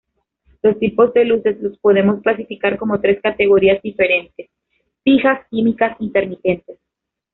Los tipos de luces los podemos clasificar como tres categorías diferentes: fijas, químicas, intermitentes.